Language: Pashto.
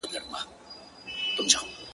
کافر دروغ پاخه رشتیا مات کړي,